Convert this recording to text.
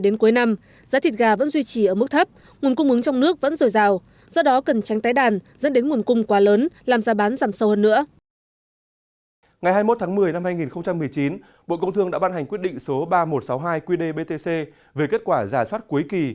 ngày hai mươi một tháng một mươi năm hai nghìn một mươi chín bộ công thương đã ban hành quyết định số ba nghìn một trăm sáu mươi hai qdbtc về kết quả giả soát cuối kỳ